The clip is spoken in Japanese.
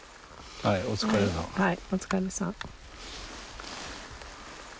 はいお疲れさん。